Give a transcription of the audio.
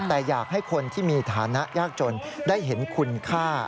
แต่อยากให้คนที่มีฐานะยากจนได้เห็นคุณค่า